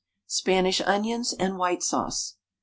SPANISH ONIONS AND WHITE SAUCE.